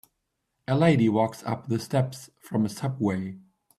A lady walks up the steps from a subway.